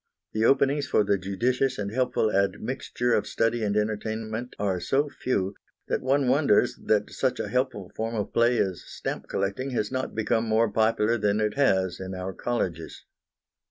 The openings for the judicious and helpful admixture of study and entertainment are so few, that one wonders that such a helpful form of play as stamp collecting has not become more popular than it has in our colleges.